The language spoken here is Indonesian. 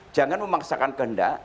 jangan memaksakan kendak